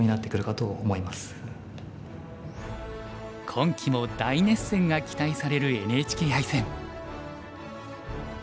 今期も大熱戦が期待されるＮＨＫ杯戦。